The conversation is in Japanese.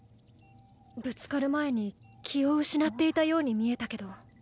ぶつかる前に気を失っていたように見えたけど。